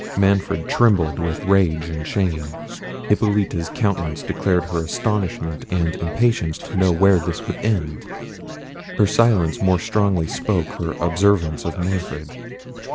Manfred trembled with rage and shame. Hippolita's countenance declared her astonishment and impatience to know where this would end. Her silence more strongly spoke her observance of Manfred.